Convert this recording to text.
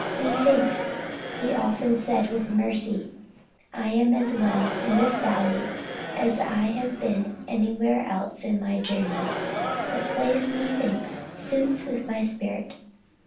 Methinks, He often said with Mercy, I am as well in this valley as I have been anywhere else in My journey. The place, methinks, suits with My spirit.